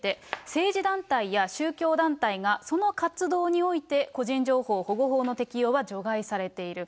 政治団体や宗教団体がその活動において、個人情報保護法の適用は除外されている。